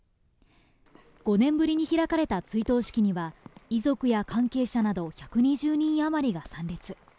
５年ぶりに開かれた追悼式には、遺族や関係者など１２０人あまりが参列。